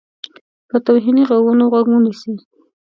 په توهیني غږونو غوږ مه نیسه.